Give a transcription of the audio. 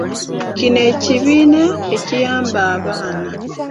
Kino ekibiina ekiyamba abaana.